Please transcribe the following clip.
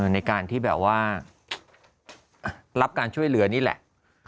ในการที่แบบว่ารับการช่วยเหลือนี่แหละ